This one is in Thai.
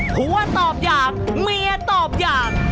ผู้ว่าตอบอย่างเมียตอบอย่าง